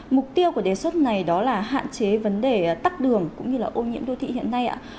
mục tiêu của đề xuất này đó là hạn chế vấn đề tắc đường cũng như là ô nhiễm đô thị hiện nay ạ